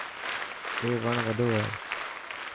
اي وڻ وڏو هي.